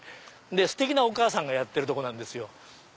ステキなお母さんがやってるとこなんですよ。